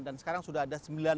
dan sekarang sudah ada pembahasan